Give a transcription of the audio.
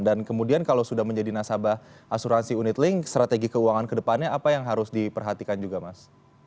kemudian kalau sudah menjadi nasabah asuransi unit link strategi keuangan kedepannya apa yang harus diperhatikan juga mas